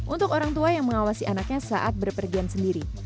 untuk orang tua yang mengawasi anaknya saat berpergian sendiri